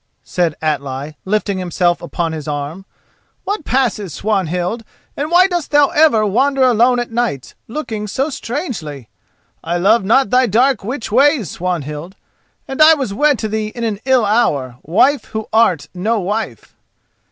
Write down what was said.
said Atli, lifting himself upon his arm. "What passes, Swanhild, and why dost thou ever wander alone at nights, looking so strangely? I love not thy dark witch ways, Swanhild, and I was wed to thee in an ill hour, wife who art no wife."